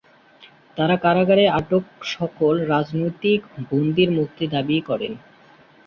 তাঁরা কারাগারে আটক সকল রাজনৈতিক বন্দির মুক্তি দাবি করেন।